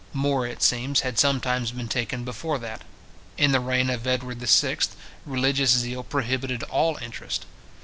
More, it seems, had sometimes been taken before that. In the reign of Edward VI. religious zeal prohibited all interest.